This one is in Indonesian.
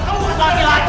kamu bukan siapa siapa